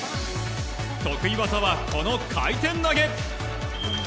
得意技はこの回転投げ。